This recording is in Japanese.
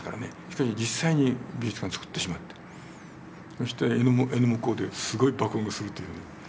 しかし実際に美術館つくってしまってそして絵の向こうですごい爆音がするというね。